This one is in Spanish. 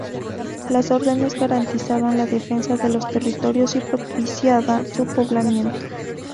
Las Órdenes garantizaban la defensa de los territorios y propiciaban su poblamiento.